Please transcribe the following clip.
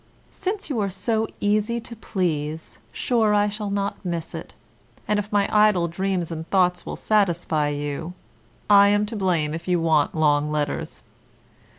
SIR, Since you are so easy to please, sure I shall not miss it, and if my idle dreams and thoughts will satisfy you, I am to blame if you want long letters.